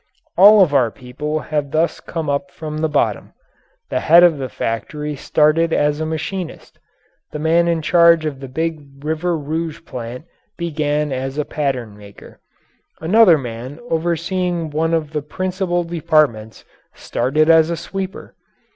All of our people have thus come up from the bottom. The head of the factory started as a machinist. The man in charge of the big River Rouge plant began as a patternmaker. Another man overseeing one of the principal departments started as a sweeper.